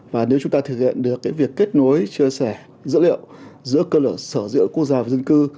và nếu chúng ta thực hiện được việc kết nối chia sẻ dữ liệu giữa cơ sở dữ liệu quốc gia và dân cư